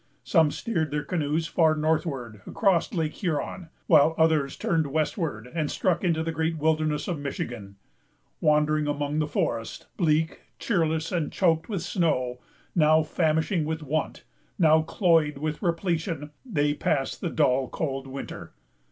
Some steered their canoes far northward, across Lake Huron; while others turned westward, and struck into the great wilderness of Michigan. Wandering among forests, bleak, cheerless, and choked with snow, now famishing with want, now cloyed with repletion, they passed the dull, cold winter.